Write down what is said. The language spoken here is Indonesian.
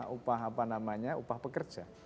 upah apa namanya upah pekerja